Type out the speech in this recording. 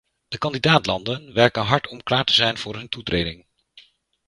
De kandidaat-landen werken hard om klaar te zijn voor hun toetreding.